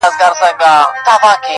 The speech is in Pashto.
ياره وس دي نه رسي ښكلي خو ســرزوري دي.